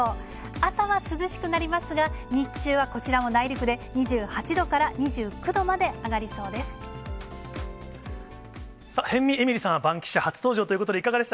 朝は涼しくなりますが、日中はこちらも内陸で２８度から２９度まで上がりそうです。